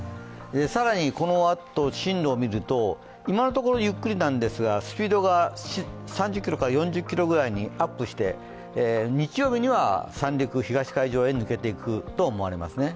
更にこのあと、進路を見ると今のところゆっくりなんですがスピードが３０キロから４０キロぐらいにアップして日曜日には三陸東海上へ抜けていくと思われますね。